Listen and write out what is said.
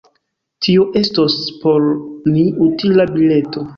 Tio estos por ni utila bileto!